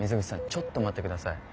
ちょっと待って下さい。